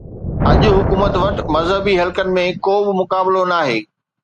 اڄ حڪومت وٽ مذهبي حلقن ۾ ڪو به مقابلو ناهي